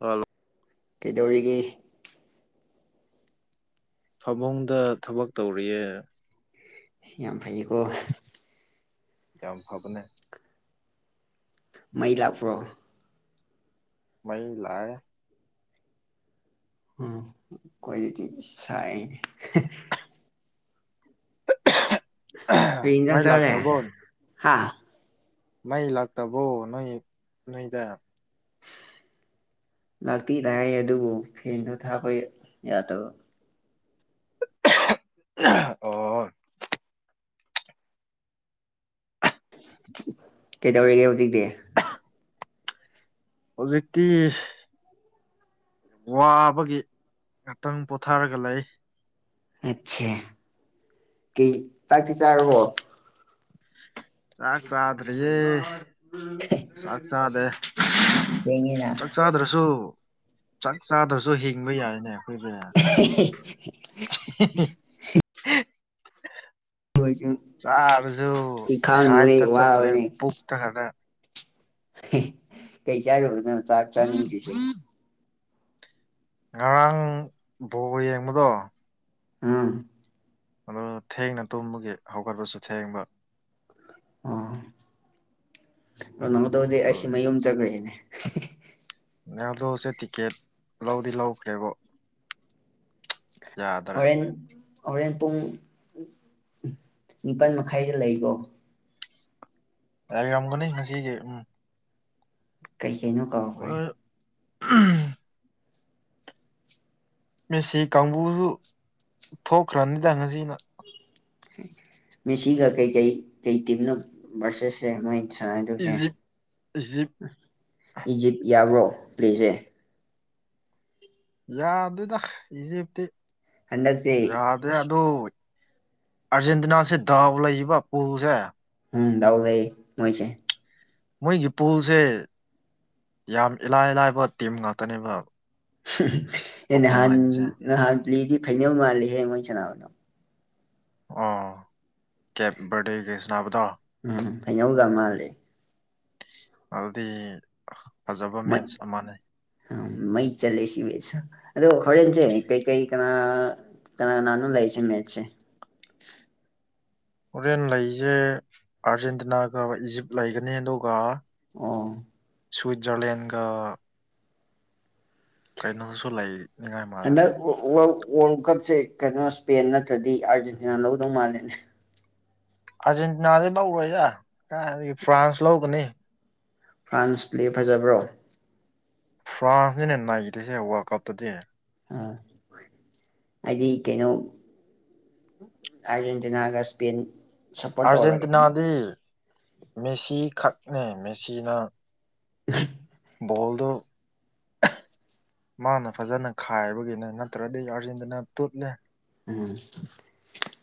hello ꯀꯩꯗꯧꯔꯤꯒꯦ ꯐꯥꯃꯨꯡꯗ ꯊꯕꯛ ꯇꯧꯔꯤꯌꯦ ꯌꯥꯝ ꯐꯩꯌꯦꯀꯣ ꯌꯥꯝꯝ ꯐꯕꯅꯦ ꯃꯩ ꯂꯥꯛꯄ꯭ꯔꯣ ꯃ ꯂꯑ ꯎꯝ ꯀꯣꯏ ꯆ ꯁꯥꯏ ꯟꯖꯟ ꯃꯩ ꯆꯂꯦ ꯂꯥꯛꯇ꯭ꯔꯕꯣ ꯍꯥꯥ ꯃꯩ ꯂꯥꯛꯇꯕꯣ ꯅꯣꯏ ꯅꯣꯏꯗ ꯂꯥꯛꯇꯤ ꯂ ꯑꯗꯨꯕꯨ ꯐꯦꯟꯗꯣ ꯊꯥꯄ ꯌꯥꯗꯕ ꯑꯣ ꯀꯩꯗꯧꯔꯤꯒꯦ ꯍꯧꯖꯤꯛꯇꯤ ꯍꯧꯖꯤꯛꯇꯤ ꯋꯥꯕꯒꯤ ꯉꯥꯛꯇꯪ ꯄꯣꯊꯥꯔꯒ ꯂꯩ ꯑꯥꯠꯆꯥ ꯀꯩ ꯆꯥꯛꯇꯤ ꯆꯥꯔꯕꯣ ꯆꯥꯛ ꯆꯥꯗꯔꯤꯌꯦ ꯆꯥꯛ ꯆꯥꯗ ꯊꯦꯡꯉꯦꯅ ꯆꯥꯛ ꯆꯥꯗ꯭ꯔꯁꯨ ꯆꯥꯛ ꯆꯥꯗ꯭ꯔꯁꯨ ꯍꯤꯡꯕ ꯌꯥꯏꯅꯦ ꯐꯗ ꯑꯩꯈꯣꯏꯁꯨ ꯆꯥꯔꯁꯨ ꯏꯈꯥꯡꯗꯨꯒꯩ ꯍꯥꯏꯛꯇ ꯆꯠꯇ꯭ꯔꯦ ꯋꯥꯕꯅꯦ ꯄꯨꯛꯇ ꯈꯗ ꯀꯩ ꯆ ꯑꯣꯏꯔ ꯆꯥꯛ ꯆ ꯉꯔꯥꯡ ꯕꯣ ꯌꯦꯡꯕꯗꯣ ꯑꯥ ꯑꯗꯨ ꯊꯦꯡꯅ ꯇꯨꯝꯕꯒꯤ ꯍꯧꯒꯠꯄꯁꯨ ꯊꯦꯡꯕ ꯑꯣ ꯅ ꯇꯕꯗꯤ ꯑꯩꯁꯤ ꯑꯗꯨꯒꯤ ꯃꯌꯨꯝ ꯆꯠꯈ꯭ꯔꯦꯅꯦ [inaudible] ꯅꯜꯗꯣꯁꯦ ꯇꯤꯀꯦꯠ ꯂꯧꯗꯤ ꯂꯧꯈ꯭ꯔꯦꯕꯣ ꯌꯥꯥꯗ꯭ꯔꯦ ꯍꯣꯔꯦꯟ ꯍꯣꯔꯦꯟ ꯄꯨꯡ ꯅꯤꯄꯜ ꯃꯈꯥꯏꯗ ꯂꯩꯀꯣ ꯌꯥꯔꯝꯒꯅꯦ ꯉꯁꯤꯒꯤꯦ ꯎꯝ ꯀꯩ ꯀꯩꯅꯣ ꯀꯧꯈꯣꯏ ꯑꯥ ꯃꯤꯦꯁꯤ ꯀꯥꯡꯕꯨꯁꯨ ꯊꯣꯛꯈ꯭ꯔꯅꯤꯗ ꯉꯁꯤꯅ ꯃꯤꯁꯤꯒ ꯀꯩ ꯀꯩ ꯀꯩ ꯇꯤꯅ ꯄꯁꯦꯁꯦ ꯃ ꯁ ꯍꯥꯏꯗꯣꯛꯀꯦ ꯏꯖꯤꯞ ꯏꯖꯤꯞ ꯏꯖꯤꯞ ꯌꯥꯕ꯭ꯔꯣ ꯄ꯭ꯂꯦꯁꯦ ꯌꯥꯗꯦꯗ ꯏꯖꯤꯞꯇꯤ ꯍꯟꯗꯛꯁꯦ ꯌꯥꯗꯦ ꯑꯗꯨ ꯑꯔꯖꯦꯟꯇꯤꯅꯥꯁꯦ ꯗꯗꯥꯕ ꯂꯩꯕꯄꯁꯦ ꯎꯝ ꯗꯎꯗꯩ ꯑꯣꯏꯣꯏꯁ ꯃꯣꯏꯒꯤ ꯄꯨꯣꯜꯁꯦ ꯌꯥꯝ ꯏꯂꯥꯏ ꯂꯥꯏꯕ ꯇꯤꯝ ꯉꯥꯛꯇꯅꯦꯕ ꯑꯦ ꯅꯍꯥꯟ ꯑꯣꯄꯣꯅꯦꯟꯁꯦ ꯅꯍꯥꯟꯗꯤ ꯐꯩꯅꯧ ꯃꯥꯜꯂꯤꯍꯌꯦꯡ ꯃꯣꯏ ꯁꯥꯟꯅꯕꯅꯣ ꯑ ꯀꯦ ꯔ ꯀ ꯁꯅꯥꯕꯗꯥ ꯎꯝ ꯐꯉꯧꯒ ꯃꯥꯜꯂꯦ ꯑꯗꯨꯗꯤ ꯐꯖꯕ ꯃꯩ ꯃꯦꯠꯆ ꯑꯃꯅꯤꯅꯦ ꯃꯩ ꯆꯂꯦ ꯁꯤꯕꯦꯁ ꯑꯗꯨꯗꯣ ꯍꯔꯦꯟꯦꯟꯁꯦ ꯀꯩ ꯀꯩ ꯀꯅꯥ ꯀꯅ ꯅꯥꯅ ꯂꯩꯥꯏꯁ ꯃꯦꯆꯁꯦ [inaudible] ꯍꯣꯔꯦꯟ ꯂꯩꯁꯦ ꯑꯥꯔꯖꯦꯟꯇꯤꯅꯥꯒ ꯏꯖꯤꯞ ꯂꯩꯒꯅꯤ ꯑꯗꯨꯒ ꯑꯥ ꯁ꯭ꯋꯤꯠꯖꯔꯂꯦꯟꯒ ꯀꯩꯅꯣꯗꯁꯨ ꯂꯩꯅꯤꯡꯉꯥꯏ ꯃꯥꯜꯂꯦ ꯍꯟꯗꯛ ꯋꯥꯔꯜ ꯋꯥꯔꯜ ꯀꯞꯁꯦ ꯀꯩꯅꯣ ꯏꯁꯄꯦꯟ ꯅꯠꯇ꯭ꯔꯗꯤ ꯑꯥꯔꯖꯦꯟꯇꯤꯅꯥ ꯂꯧꯗꯧ ꯃꯥꯜꯂꯦꯅꯦ ꯑꯥꯔꯖꯦꯟꯇꯤꯅꯥꯗꯤ ꯂꯧꯔꯣꯏꯖꯥ ꯀꯗꯒꯤ ꯐ꯭ꯔꯥꯟꯁ ꯂꯧꯒꯅꯤ ꯐ꯭ꯔꯥꯟꯁꯄ꯭ꯂꯦ ꯐꯖꯕ꯭ꯔꯣ ꯐ꯭ꯔꯥꯟꯁꯅꯤꯅꯦ ꯅꯥꯔꯤꯁꯦ ꯋꯥꯔꯜ ꯀꯞꯇꯗꯤ ꯑꯥ ꯍꯥꯏꯗꯤ ꯀꯩꯅꯣ ꯑꯔꯖꯦꯟꯇꯤꯅꯥ ꯑꯒ ꯁꯄꯦꯟ ꯑꯥꯔꯖꯦꯟꯇꯤꯅꯥꯗꯤ ꯃꯦꯁꯤꯈꯛꯅꯦ ꯃꯦꯁꯤꯅ ꯣꯗꯣ ꯃꯥꯅ ꯐꯖꯅ ꯈꯥꯏꯕꯒꯤꯅꯦ ꯅꯠꯇ꯭ꯔꯗꯤ ꯑꯥꯔꯖꯦꯟꯇꯤꯅꯥ ꯇꯨꯠꯂꯦ ꯎꯝ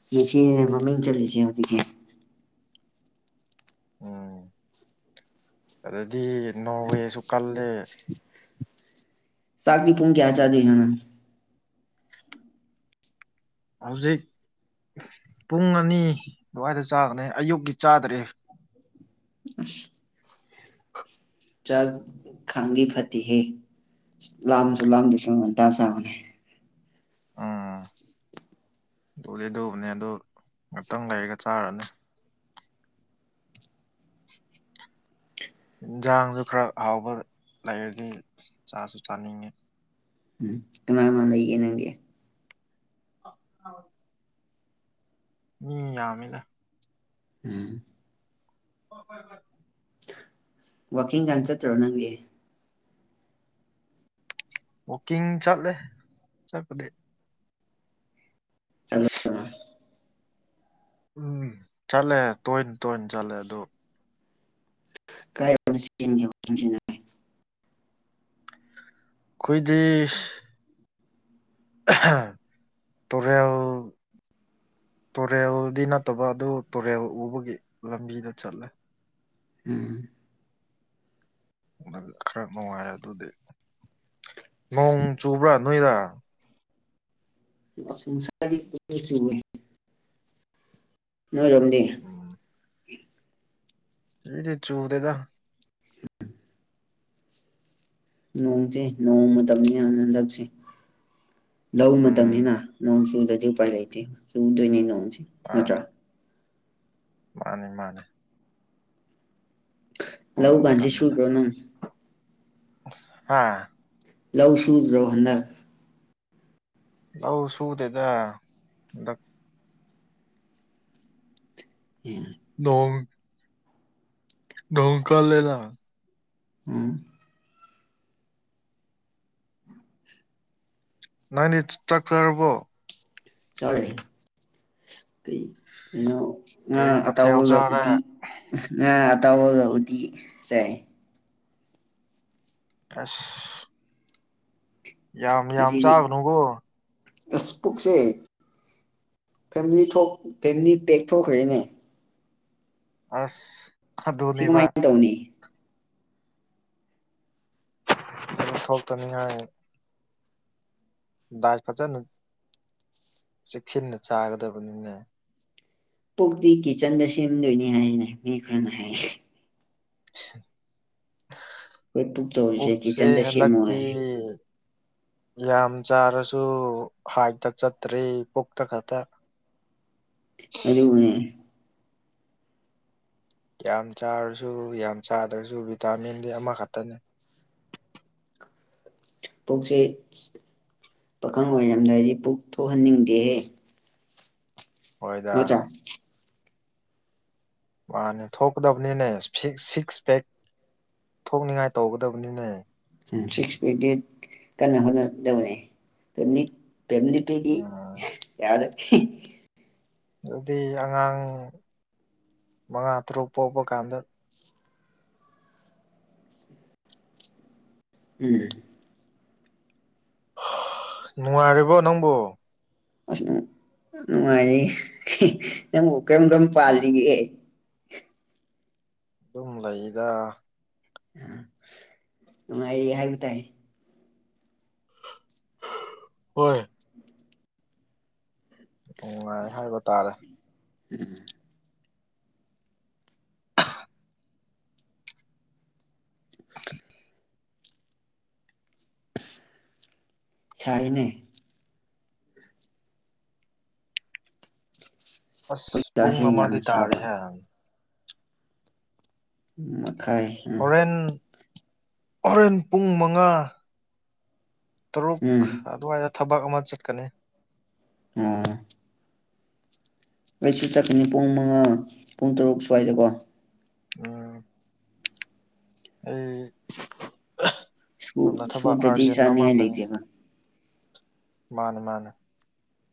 ꯉꯁꯤꯅꯦ ꯃꯃꯤꯡ ꯆꯠꯂꯤꯁꯦ ꯍꯧꯖꯤꯛꯁ ꯎꯝ ꯑꯗꯨꯗꯗꯤ ꯅꯣ ꯋꯦꯁꯨ ꯀꯜꯂꯦ ꯁꯥꯥꯛꯗꯤ ꯄꯣꯡ ꯀꯌꯥ ꯆꯥꯗꯖꯅꯟ ꯍꯧꯖꯤꯛ ꯄꯨꯡ ꯑꯅꯤ ꯑꯗꯨꯋꯥꯏꯗ ꯆꯥꯒꯅꯦ ꯑꯌꯨꯛꯀꯤ ꯆꯥꯗ꯭ꯔꯦ ꯑꯁ ꯆ ꯈꯥꯡꯒꯤ ꯐꯇꯤꯍꯦ ꯂꯥꯝꯁꯨ ꯂꯥꯝꯗꯁꯨ ꯉꯟꯇꯥ ꯁꯥꯥꯕꯅꯦ ꯑꯥ ꯗꯣꯂꯤꯗꯨꯅꯦ ꯑꯗꯨ ꯉꯥꯛꯇꯪ ꯂꯩꯔꯒ ꯆꯥꯔꯅꯤ ꯏꯟꯖꯥꯡꯁꯨ ꯈꯔ ꯍꯥꯎꯕ ꯂꯩꯔꯗꯤ ꯆꯥꯁꯨ ꯆꯥꯅꯤꯡꯉꯤ ꯎꯝ ꯀꯅꯥ ꯀꯅꯥ ꯂꯩꯒꯦ ꯅꯪꯒꯤ ꯑ ꯑ ꯃꯤ ꯌꯥꯃꯤꯗ ꯎꯝ ꯍ ꯍꯣꯏ ꯍꯣꯏ ꯋꯥꯀꯤꯡ ꯀꯥꯟ ꯆꯠꯇ꯭ꯔꯣ ꯅꯪꯒꯤ ꯋꯥꯀꯤꯡ ꯆꯠꯂꯦ ꯆꯠꯄꯗꯤ ꯆꯠꯂꯣꯗꯅ ꯎꯝ ꯆꯠꯂꯦ ꯇꯣꯏꯅ ꯇꯣꯏꯅ ꯆꯠꯂꯦ ꯑꯗꯨ ꯀꯥꯏ ꯃꯔꯁꯤꯟꯒꯤꯟꯁꯤꯅꯦ ꯑꯩꯈꯣꯏꯗꯤ ꯇꯨꯔꯦꯜ ꯇꯨꯔꯦꯜꯗꯤ ꯅꯠꯇꯕ ꯑꯗꯨ ꯇꯨꯔꯦꯜ ꯎꯕꯒꯤ ꯂꯝꯕꯤꯗ ꯆꯠꯂꯦ ꯎꯝ ꯑꯗꯨꯒ ꯈꯔ ꯅꯨꯡꯉꯥꯏꯔꯦ ꯑꯗꯨꯗꯤ ꯅꯣꯡ ꯆꯨꯕ꯭ꯔꯥ ꯅꯣꯏꯗ ꯁꯒꯤ ꯅꯣꯏꯔꯣꯝꯗꯤ ꯏꯗꯤ ꯆꯨꯗꯦꯗ ꯅꯣꯡꯁꯦ ꯅꯣꯡ ꯃꯇꯝꯅꯤꯅ ꯍꯟꯂꯛꯁꯦ ꯂ ꯃꯇꯝꯅꯤꯅ ꯎꯝ ꯅꯣꯡ ꯆꯨꯗ꯭ꯔꯗꯤ ꯎꯄꯥꯏ ꯂꯩꯇꯦ ꯆꯨꯗꯣꯏꯅꯦ ꯅꯣꯡꯁꯤ ꯅꯠꯇ꯭ꯔꯥ ꯃꯥꯅꯤ ꯃꯥꯅꯤ ꯃꯥꯅꯦ ꯂꯧ ꯀꯥꯟꯁꯤꯦ ꯁꯨꯈ꯭ꯔꯣ ꯅꯪ ꯍꯥꯥ ꯂꯧ ꯁꯨꯁ ꯔꯣꯍꯟꯗ ꯂꯥꯎ ꯁꯨꯗꯗ ꯑꯦ ꯅꯣꯡꯣꯡ ꯣꯡ ꯀ ꯂꯩꯂ ꯑꯝ ꯎꯝ ꯅꯅꯥꯅꯤ ꯆꯥꯛꯔꯕꯣ ꯆꯂꯦ ꯀ ꯀꯩꯅ ꯑ ꯀꯔꯤ ꯃꯊꯦꯜ ꯑꯇꯥꯎꯕꯒ ꯆꯥꯔꯦ ꯎꯗꯤꯤ ꯑ ꯑꯇꯥꯎꯕꯒ ꯎꯗꯤꯤ ꯁꯦ ꯑꯁ ꯌꯥꯝ ꯌꯥꯝ ꯆꯥꯒꯅꯨꯀꯣ ꯑꯦꯛꯁ ꯄꯨꯨꯛꯁꯦ ꯐꯦꯃꯤꯂꯤ ꯐꯦꯃꯤꯂꯤ ꯄꯦꯛ ꯊꯣꯛꯈ꯭ꯔꯦꯅꯦ ꯑꯁ ꯁꯤ ꯑꯗꯨꯅꯦꯕ ꯀꯃꯥꯏꯅ ꯇꯧꯅꯤ ꯊꯣꯛꯇꯅꯤꯍꯌꯦ ꯗꯥꯏ ꯐꯖꯅ ꯆꯦꯛꯁꯤꯟꯅ ꯆꯥꯒꯗꯕꯅꯤꯅꯦ ꯄꯣꯛꯇꯤ ꯀꯤꯠꯆꯟꯗ ꯁꯦꯝꯗꯣꯏꯅꯤ ꯍꯥꯏꯅ ꯃꯤ ꯈꯔꯅ ꯍꯥꯏ ꯄꯨꯛ ꯆꯥꯎꯔꯤꯁꯦ ꯄꯨꯛꯁꯦ ꯀꯤꯠꯆꯟꯗ ꯁꯦꯝꯃꯣ ꯍꯟꯗꯛꯇꯤ ꯍꯥꯏ ꯌꯥꯝ ꯆꯥꯔꯁꯨ ꯍꯥꯏꯇ ꯆꯠꯇ꯭ꯔꯔꯤ ꯄꯣꯛꯇ ꯈꯛꯇ [inaudible] ꯑꯗ ꯎꯅꯦꯦ ꯌꯥꯝ ꯆꯥꯔꯁꯨ ꯌꯥꯝ ꯆꯥꯗ꯭ꯔꯁꯨ ꯚꯤꯇꯥꯃꯤꯟꯗꯤ ꯑꯃꯈꯛꯇꯅꯤ [inaudible] ꯄꯨꯛꯁꯦ ꯄꯥꯈꯪ ꯑꯣꯏ ꯌꯥꯝꯗꯥꯏꯗꯤ ꯄꯨꯛ ꯊꯣꯛꯍꯟꯅꯤꯡꯗꯦꯍꯦ ꯍꯣꯏꯗ ꯅꯠꯇ꯭ꯔꯥ ꯃꯥꯅꯦ ꯊꯣꯛꯀꯗꯕꯅꯤꯅꯦ ꯁꯤꯛꯁ ꯄꯦꯛ ꯊꯣꯛꯅꯤꯡꯉꯥꯏ ꯇꯧꯒꯗꯕꯅꯤꯅꯦ ꯎ ꯁꯤꯛꯁ ꯐꯤꯇꯤ ꯀꯟꯅ ꯍꯣꯠꯅꯗꯧꯅꯦꯅꯤ ꯄꯦꯝꯂꯤꯄꯦꯔꯤ ꯎꯝ ꯌꯥꯔ ꯑꯗꯨꯗꯤ ꯑꯉꯥꯡ ꯃꯉꯥ ꯇꯔꯨꯛ ꯄꯣꯛꯄ ꯀꯥꯟꯗ ꯎꯝ ꯅꯉꯔꯤꯕ ꯅꯪꯕꯨꯣ ꯑꯁ ꯅꯨꯡꯉꯥꯏꯔꯤ ꯅꯪꯕꯨ ꯀꯔꯤꯝꯗꯝ ꯎꯝ ꯄꯥꯜꯂꯤꯒꯦꯍ ꯑꯗꯨꯝ ꯂꯩꯗ ꯑ ꯃꯥꯏ ꯍꯥꯏ ꯇꯥꯏ ꯍꯣꯏ ꯅꯨꯡꯉꯥꯏ ꯍꯥꯏꯕ ꯇꯥꯔꯦ ꯎꯝ [inaudible] [inaudible] ꯁꯥꯏꯅꯦ ꯑꯁ ꯄꯨꯡ ꯀꯥꯁꯦ ꯌꯥꯝ ꯑꯃꯗꯤ ꯇꯥꯔꯦ ꯁꯥꯕ ꯍꯥꯏ ꯃꯈꯥꯏ ꯎꯝ ꯑꯣꯔꯦꯟ ꯄꯨꯡ ꯃꯉꯥ ꯇꯔꯨꯛ ꯎꯝ ꯑꯗꯨꯋꯥꯏꯗ ꯊꯕꯛ ꯑꯃ ꯆꯠꯀꯅꯤ ꯑꯥ ꯀꯩꯁꯨ ꯆꯠꯀꯅꯤ ꯄꯨꯡ ꯃꯉꯥ ꯄꯨꯡ ꯇꯔꯨꯛ ꯁ꯭ꯋꯥꯏꯗꯀꯣ ꯑꯥ ꯑꯩ ꯌꯥꯝ ꯅ ꯊꯕ ꯁꯨꯗꯗꯤ ꯑꯥꯔꯖꯦꯟ ꯆꯥꯅꯤꯡꯉꯥꯏ ꯑꯃꯜꯂꯉꯦ ꯂꯩꯇꯦꯕ ꯃꯅ ꯃꯅ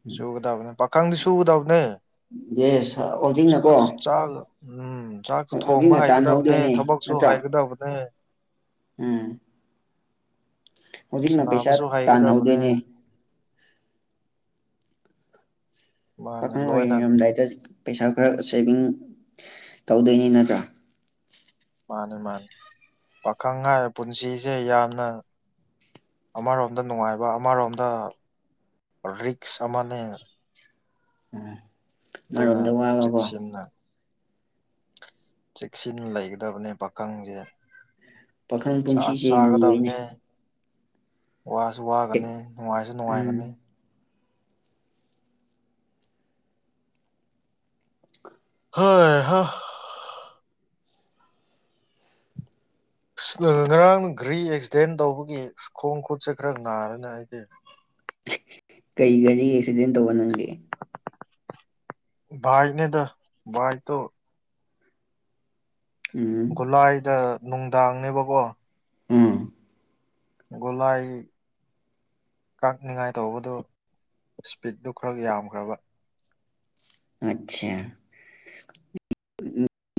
ꯎꯝ ꯁꯨꯒꯗꯕꯅꯦ ꯄꯥꯈꯪꯗꯤ ꯁꯨꯒꯗꯕꯅꯦ ꯌꯦꯁ ꯍꯧꯖꯤꯛꯅꯀꯣ ꯎꯝ ꯆꯥꯛꯁꯨ ꯊꯣꯡꯕ ꯍꯧꯖꯤꯛꯅ ꯍꯩꯒꯗꯕꯅꯦ ꯇꯥꯟꯅꯍꯧꯗꯣꯏꯅꯦ ꯊꯕꯛꯁꯨ ꯅꯠꯇ꯭ꯔꯣ ꯍꯩꯒꯗꯕꯅꯦ ꯎꯝ ꯍꯧꯖꯤꯛꯅ ꯄꯩꯁꯥ ꯁꯥꯟꯅꯕꯁꯨ ꯍꯩꯒꯗꯕꯅꯦ ꯇꯥꯟꯅꯍꯧꯗꯣꯏꯅꯦ ꯃꯥꯅꯤ ꯄꯥꯈꯪ ꯑꯣꯏ ꯂꯣꯏꯅ ꯌꯥꯝꯗꯥꯏꯗꯁꯨ ꯄꯩꯁꯥ ꯈꯔ ꯁꯦꯚꯤꯡ ꯇꯧꯗꯣꯏꯅꯤ ꯅꯠꯇ꯭ꯔꯥ ꯃꯥꯅꯤ ꯃꯥꯅꯤ ꯄꯥꯈꯪ ꯍꯥꯏꯕ ꯄꯨꯟꯁꯤꯁꯦ ꯌꯥꯝꯅ ꯑꯃꯔꯣꯝꯗ ꯅꯨꯡꯉꯥꯏꯕ ꯑꯃꯔꯣꯝꯗ ꯔꯤꯛꯁ ꯑꯃꯅꯦ ꯎꯝ ꯃ ꯑꯗꯨꯅ ꯑꯣꯏꯔꯗ ꯋꯥꯕꯒꯣ ꯆꯦꯛꯁꯤꯟꯅ ꯆꯦꯛꯁꯤꯟꯅ ꯂꯩꯒꯗꯕꯅꯦ ꯄꯥꯈꯪꯁꯦ ꯄꯥꯈꯪ ꯆꯥꯁꯨ ꯄꯨꯟꯁꯤꯁꯦ ꯂꯨꯔꯦꯅꯦ ꯆꯒꯗꯕꯅꯦ ꯋꯥꯁꯨ ꯋꯥꯒꯅꯤ ꯅꯨꯡꯉꯥꯏꯁꯨ ꯎꯝ ꯅꯨꯡꯉꯥꯏꯒꯅꯤ ꯍꯣꯏ ꯍ ꯉꯔꯥꯡ ꯘ꯭ꯔꯤ ꯑꯦꯛꯁꯤꯗꯦꯟ ꯇꯧꯕꯒꯤ ꯈꯣꯡ ꯈꯨꯠꯁꯦ ꯈꯔ ꯅꯥꯔꯅꯤ ꯑꯩꯗꯤ ꯀꯔꯤ ꯒꯥꯔꯤ ꯑꯦꯛꯁꯤꯗꯦꯟ ꯇꯧꯕ ꯅꯪꯒꯦ ꯚꯏꯅꯦꯗ ꯚꯏ ꯇ ꯎꯝ ꯒꯨꯂꯥꯏꯗ ꯅꯨꯡꯗꯥꯡꯅꯦꯕꯀꯣ ꯑ ꯒꯣꯂꯥꯏ ꯀꯛꯅꯤꯉꯥꯏ ꯇꯧꯕꯗꯨ ꯏꯁꯄꯤꯠꯗꯨ ꯈꯔ ꯌꯥꯝꯈ꯭ꯔꯕ ꯑꯆꯥ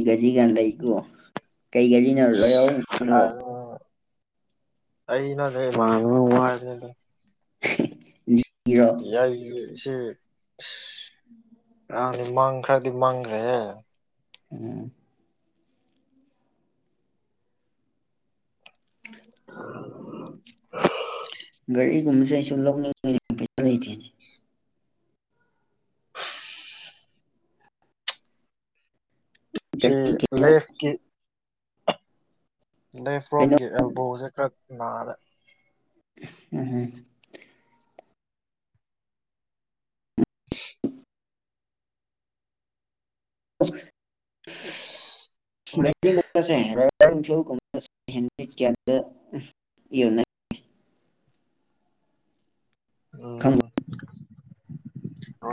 ꯀꯖꯤꯒꯥꯟ ꯂꯩꯀꯣ ꯀꯩ ꯀꯔꯤ ꯅꯔꯔꯣꯏ ꯌꯥ ꯑꯩ ꯅ ꯂꯩ ꯃꯥ ꯖꯤꯔꯣ ꯌꯥꯏ ꯁꯤ ꯑꯥꯡꯗꯤ ꯃꯥꯡ ꯈꯔꯗꯤ ꯃꯥꯡꯈ꯭ꯔꯦꯍꯦ ꯎꯝ ꯔꯤ ꯁꯤꯒꯨꯝꯕꯁꯦ ꯑꯩ ꯁꯨꯝ ꯂꯧꯅꯤꯡꯉꯤ ꯄꯩꯁꯥ ꯂꯩꯇꯦꯅꯦ ꯁꯤ ꯒꯥꯔꯤ ꯀꯩꯅꯣ ꯂꯦꯈꯀꯤ ꯂꯦꯐ ꯀꯩꯅꯣ ꯔꯣꯝꯒꯤ ꯑꯦꯜꯕꯣꯁꯦ ꯈꯔ ꯅꯥꯔꯦ ꯎꯝ [inaudible] ꯑꯣ ꯁꯦ ꯗ ꯌꯣꯟꯅ ꯈꯪꯕ꯭ꯔꯣ ꯎꯝ ꯍ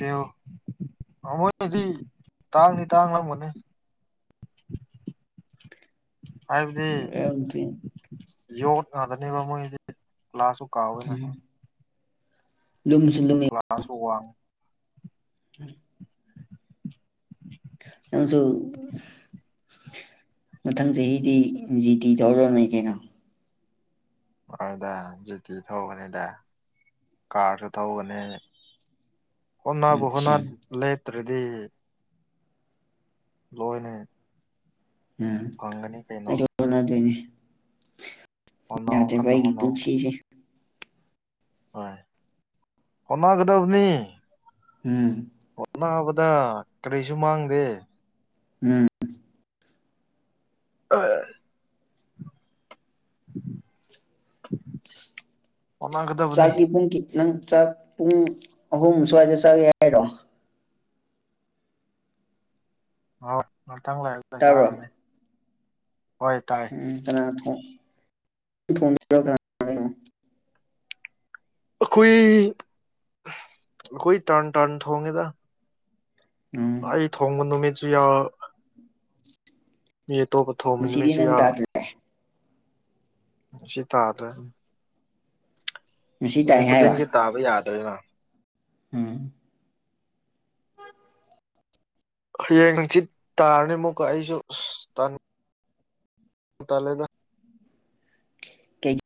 ꯌꯥ ꯣꯏꯗꯤ ꯇꯥꯡꯅꯤ ꯇꯥꯡꯂꯝꯒꯅꯦ ꯍꯥꯏꯕꯗꯤ ꯔꯣꯌꯦꯜ ꯏꯟꯐꯤꯜ ꯌꯣ ꯅꯥꯗꯅꯦꯕ ꯃꯣꯏꯗꯤ ꯀ꯭ꯂꯥꯁꯁꯨ ꯀꯥꯎꯋꯦꯅ ꯂꯨꯝꯁꯨ ꯀ꯭ꯂꯥꯁꯥꯁ ꯍ ꯋꯥ ꯎꯝ ꯑꯁꯨꯣ ꯃꯊꯪ ꯆꯍꯤꯗꯤ ꯖꯤꯇꯤ ꯇꯧꯔꯝꯃꯦ ꯀꯩꯅꯣ ꯑꯗꯨꯗ ꯖꯤꯇꯤ ꯊꯒꯅꯤꯗ ꯀꯥꯔꯁꯨ ꯊꯒꯅꯦ ꯍꯅꯥ ꯍꯨꯅꯥ ꯑꯠꯆꯥ ꯂꯦꯇ ꯔꯦꯗꯤ ꯂꯣꯏꯅꯦ ꯎꯝ ꯑꯩꯁꯨ ꯑꯗꯨꯅꯦ ꯍꯣꯠꯅꯧ ꯌꯥꯗꯦ ꯀꯟꯅ ꯄꯥꯏꯒꯤ ꯄꯨꯟꯁꯤꯁꯦ ꯍ ꯍꯅꯥ ꯀꯗ ꯑꯅꯤ ꯎꯝ ꯑꯣꯟꯅꯕꯗ ꯀꯔꯤꯁꯨ ꯃꯥꯡꯗꯦ ꯎꯝ ꯑ ꯑꯣꯒꯗꯕꯅꯤ ꯅꯪꯥꯛ ꯄꯨꯡ ꯑꯍꯨꯝ ꯁ꯭ꯋꯥꯏꯗ ꯆꯪꯒꯦ ꯍꯥꯏꯔꯣ ꯑ ꯉꯥꯛꯊꯥꯡ ꯂꯥꯏꯔꯒ ꯇꯥꯕ꯭ꯔꯣ ꯆꯥꯔꯅꯦ ꯎꯝ ꯀꯅꯥ ꯊꯅꯥꯣ ꯑꯩꯈꯣꯏ ꯑꯩꯈꯣꯏ ꯇꯔꯟ ꯇꯔꯟ ꯊꯣꯡꯉꯦꯗ ꯎꯝ ꯑꯩ ꯊꯣꯡꯕ ꯅꯨꯃꯤꯠꯁꯨ ꯌꯥ ꯃꯤ ꯑꯇꯣꯞꯄ ꯊꯣꯡꯕ ꯉꯁꯤꯗꯤ ꯅꯨꯃꯤꯠꯁꯨ ꯅꯪ ꯌꯥ ꯇꯥꯗ꯭ꯔꯦ ꯉ ꯇꯥꯗꯦ ꯉꯁꯤ ꯇꯥꯏ ꯅꯨꯃꯤꯠ ꯈꯨꯗꯤꯡꯒꯤ ꯇꯥꯕ ꯌꯥꯗꯣꯏꯅꯣ ꯍꯝ ꯍꯌꯦꯡ ꯁꯤꯤꯠ ꯇꯥꯔꯅꯤ ꯑꯃꯨꯛꯀ ꯑꯩꯁꯨ ꯑꯁ ꯇꯂꯦꯗ ꯀꯩ